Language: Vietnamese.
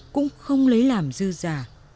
cũng không lấy làm dư giả